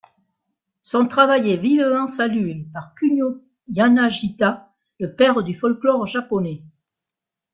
Son travail est vivement salué par Kunio Yanagita, le père du folklore japonais.